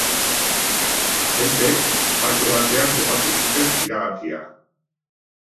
Agenteek parke batean topatu zuten iragarkia.